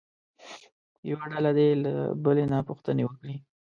یوه ډله دې له بلې نه پوښتنې وکړي.